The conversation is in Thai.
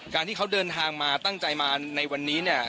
การที่เขาเดินทางมาตั้งใจมาในวันนี้เนี่ย